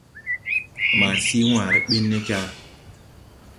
Ma sii wããre ɓin ne jar,